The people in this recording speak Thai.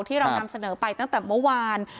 ที่เรานำเสนอไปตั้งแต่เมื่อวาน